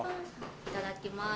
いただきます。